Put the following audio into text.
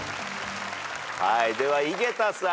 はいでは井桁さん。